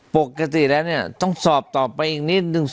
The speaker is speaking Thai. ปกติแล้วเนี่ยต้องสอบต่อไปอีกนิดนึง